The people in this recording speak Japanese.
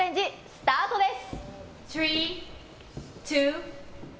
スタートです！